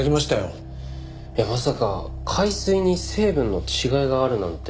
いやまさか海水に成分の違いがあるなんて。